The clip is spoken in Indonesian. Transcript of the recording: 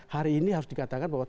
hari ini harus dikatakan bahwa